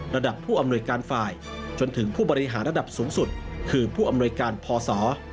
ระดับผู้อำนวยการฝ่ายจนถึงผู้บริหารระดับสูงสุดคือผู้อำนวยการพศ